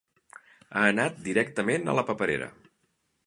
Ha anat directament a la paperera.